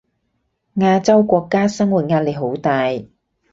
亞洲國家生活壓力好大